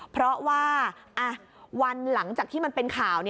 เพราะว่าวันหลังจากที่มันเป็นข่าว